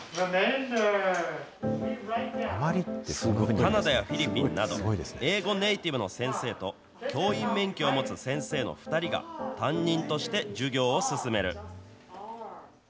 カナダやフィリピンなど、英語ネイティブの先生と、教員免許を持つ先生の２人が担任として授業を進める。